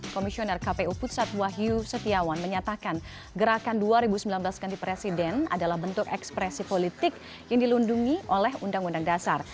komisioner kpu pusat wahyu setiawan menyatakan gerakan dua ribu sembilan belas ganti presiden adalah bentuk ekspresi politik yang dilindungi oleh undang undang dasar